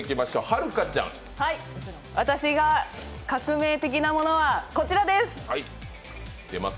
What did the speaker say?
私が革命的なものはこちらです。